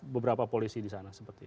beberapa polisi di sana